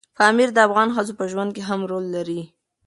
پامیر د افغان ښځو په ژوند کې هم رول لري.